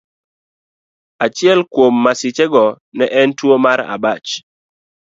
Achiel kuom masichego ne en tuwo mar abach.